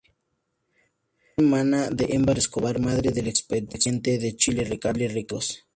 Fue hermana de Ema Escobar, madre del expresidente de Chile Ricardo Lagos.